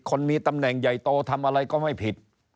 คนมีตำแหน่งใหญ่โตทำอะไรก็ไม่ผิด